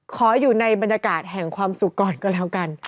ขออยู่ในบรรยากาศแห่งความสุขก่อนก็แล้วกัน